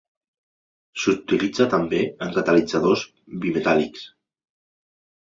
S'utilitza també en catalitzadors bimetàl·lics.